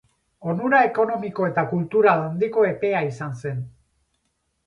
Onura ekonomiko eta kultural handiko epea izan zen.